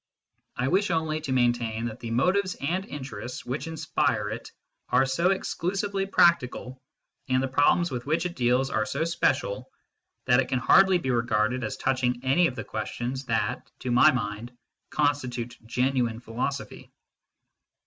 I wish only to maintain that the motives and interests which inspire it are so exclusively practical, and the problems with which it deals are so special, that it can hardly be regarded as touching any of the questions that, to my mind, constitute genuine philosophy.